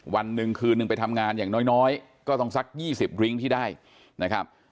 วันหนึ่งคืนนึงไปทำงานอย่างน้อยก็ต้องสัก๒๐ริ้งที่ได้นะครับ